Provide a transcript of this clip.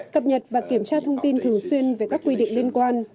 cập nhật và kiểm tra thông tin thường xuyên về các quy định liên quan